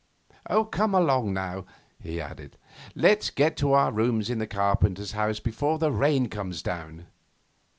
'Come along now,' he added, 'let's get to our rooms in the carpenter's house before the rain comes down.